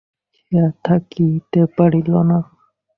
সে আর থাকিতে পারিল না।